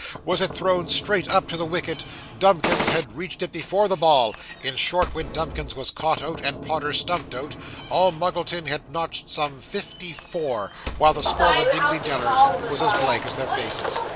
Was it thrown straight up to the wicket, Dumkins had reached it before the ball. In short, when Dumkins was caught out, and Podder stumped out, All Muggleton had notched some fifty four, while the score of the Dingley Dellers was as blank as their faces.